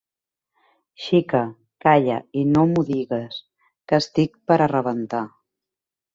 Xica, calla i no m’ho digues, que estic per a rebentar.